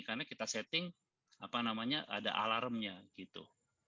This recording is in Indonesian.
karena kita setting apa namanya ada alarmnya gitu